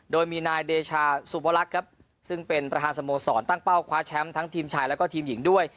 โดยมีนายเดชาสุบลักษณ์ครับซึ่งเป็นประธานสโมสรตั้งเป้าคว้าแชมป์ทั้งทีมชายแล้วก็ทีมหญิงด้วย